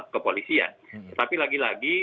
kepolisian tapi lagi lagi